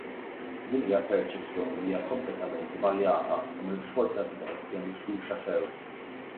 Din hija perċezzjoni li hija kompletament żbaljata imma li sfortunatament hija mifruxa sew.